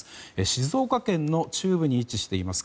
静岡県の中部に位置しています